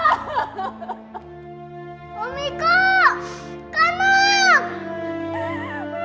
kamu jangan pergi